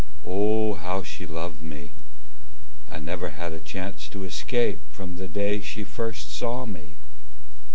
Oh! how she loved me I never had a chance to escape From the day she first saw me.